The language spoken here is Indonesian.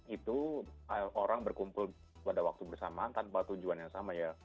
itu orang berkumpul pada waktu bersamaan tanpa tujuan yang sama ya